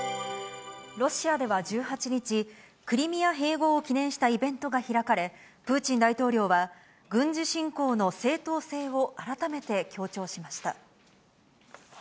ロシアでは１８日、クリミア併合を記念したイベントが開かれ、プーチン大統領は、軍事侵攻の正当性を改めて強調しました。